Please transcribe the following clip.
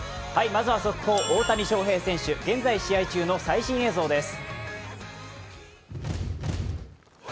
まずは速報、大谷翔平選手、現在試合中の最新映像です。